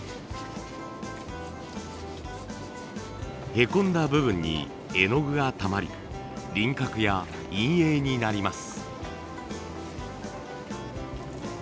へこんだ部分に絵の具がたまり輪郭や陰影になります。